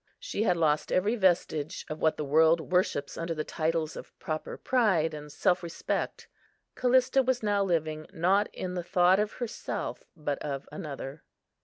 She had lost every vestige of what the world worships under the titles of proper pride and self respect. Callista was now living, not in the thought of herself, but of Another.